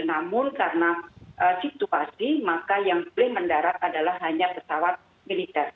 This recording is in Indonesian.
namun karena situasi maka yang boleh mendarat adalah hanya pesawat militer